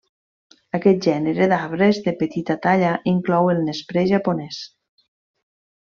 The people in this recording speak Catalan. Aquest gènere d'arbres de petita talla inclou el nesprer japonès.